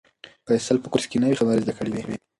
فیصل په کورس کې نوې خبرې زده کړې وې.